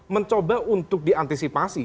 mencoba untuk diantisipasi